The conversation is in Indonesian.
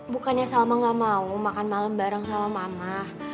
bukannya salma gak mau makan malam bareng sama mama